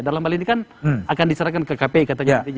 dalam hal ini kan akan diserahkan ke kpi katanya